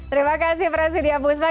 terima kasih presidio busma